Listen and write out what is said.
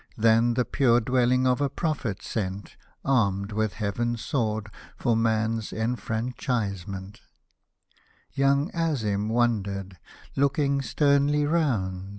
Than the pure dwelling of a Prophet sent, Armed with Heaven's sword, for man's enfranchise ment — Young AziM wandered, looking sternly round.